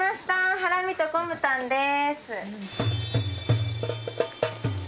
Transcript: ハラミとコムタンです。